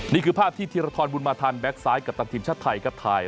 นี่คือภาพที่ธีรธรรมบุญมาธรรมแบ็คซ้ายกับท่านทีมชาติไทยกับไทย